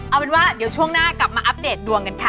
เอาเป็นว่าเดี๋ยวช่วงหน้ากลับมาอัปเดตดวงกันค่ะ